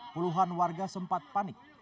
puluhan warga sempat panik